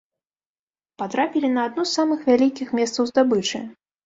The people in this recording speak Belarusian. Патрапілі на адно з самых вялікіх месцаў здабычы.